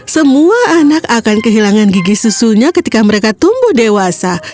semua anak akan kehilangan gigi susunya ketika mereka tumbuh dewasa